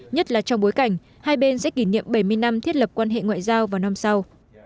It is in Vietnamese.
nhất là trong bối cảnh hai bên sẽ kỷ niệm bảy mươi năm thiết lập quan hệ ngoại giao vào năm sau